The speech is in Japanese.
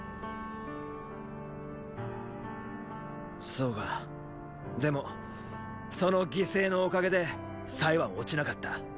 そうかでもその犠牲のおかげでは落ちなかった。